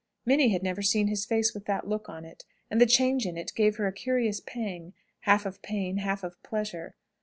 Minnie had never seen his face with that look on it, and the change in it gave her a curious pang, half of pain, half of pleasure.